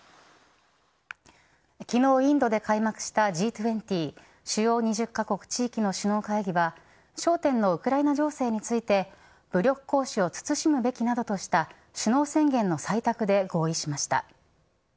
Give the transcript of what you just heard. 昨日、インドで開幕したＧ２０主要２０カ国地域の首脳会談は焦点のウクライナ情勢について武力行使を慎むべきなどとした首脳宣言の採択で合意しました。